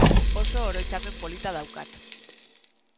Oso oroitzapen polita daukat.